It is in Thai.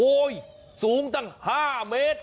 โอ้ยสูงตั้งห้าเมตร